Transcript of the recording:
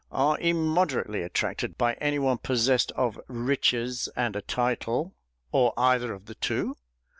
are immoderately attracted by anyone possessed of riches and a title or of either of the two?